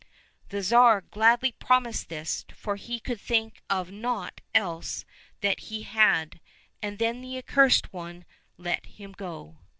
The Tsar gladly promised this, for he could think of naught else that he had, and then the Accursed One let him go.